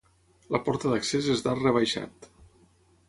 La porta d'accés és d'arc rebaixat.